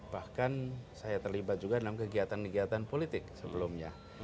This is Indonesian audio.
bahkan saya terlibat juga dalam kegiatan kegiatan politik sebelumnya